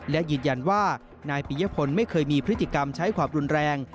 และยืนยันว่านายปียพลไม่เคยมีพฤติกรรมใช้ความรุนแรง